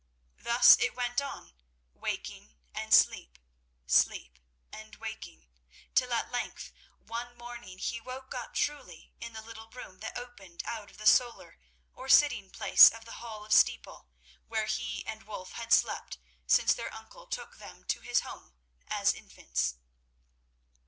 Thus it went on, waking and sleep, sleep and waking, till at length one morning he woke up truly in the little room that opened out of the solar or sitting place of the Hall of Steeple, where he and Wulf had slept since their uncle took them to his home as infants.